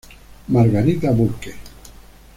Margarita Burke